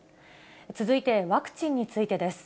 続いて、ワクチンについてです。